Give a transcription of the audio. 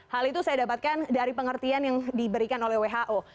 hal itu saya dapatkan dari pengertian yang diberikan oleh who